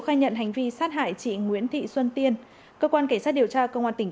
khai nhận hành vi sát hại chị nguyễn thị xuân tiên cơ quan cảnh sát điều tra công an tỉnh